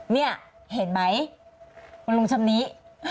นี่เห็นไหมคุณลุงชำนี้